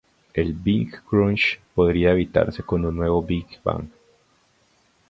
El Big Crunch podrían evitarse con un nuevo Big Bang.